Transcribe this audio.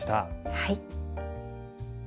はい。